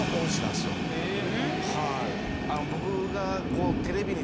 僕が。